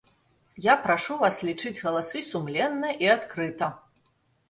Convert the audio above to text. Я прашу вас лічыць галасы сумленна і адкрыта.